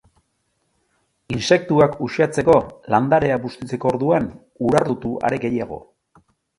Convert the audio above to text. Intsektuak uxatzeko landarea bustitzeko orduan, urardotu are gehiago.